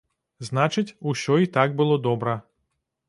Значыць, усё і так было добра.